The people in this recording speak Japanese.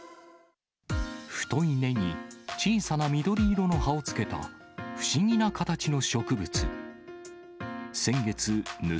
太い根に小さな緑色の葉をつけた、不思議な形の植物。